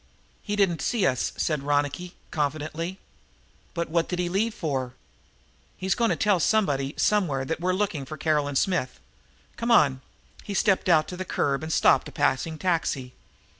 "He didn't see us," said Ronicky confidently. "But what did he leave for?" "He's gone to tell somebody, somewhere, that we're looking for Caroline Smith. Come on!" He stepped out to the curb and stopped a passing taxi.